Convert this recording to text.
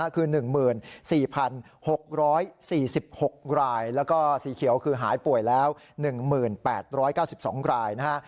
คือ๑๔๖๔๖รายแล้วก็สีเขียวคือหายป่วยแล้ว๑๘๙๒รายนะฮะ